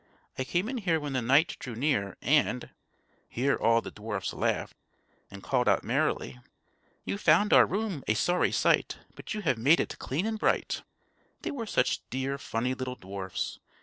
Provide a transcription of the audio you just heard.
I came in here when the night drew near, and " here all the dwarfs laughed, and called out merrily: "You found our room a sorry sight, But you have made it clean and bright." They were such dear funny little dwarfs!